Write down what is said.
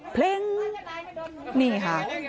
พลิ้งนี่ค่ะ